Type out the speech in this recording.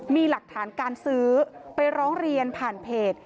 มีหลักฐานการซื้อไปร้องเรียนผ่านเพจ